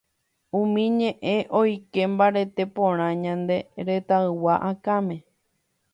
umi ñe'ẽ oike mbarete porã ñane retãygua akãme.